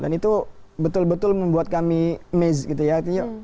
dan itu betul betul membuat kami amaze gitu ya